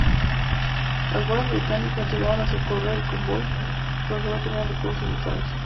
Las fuerzas británicas llegaron a socorrer al convoy, pero sólo tenían recursos limitados.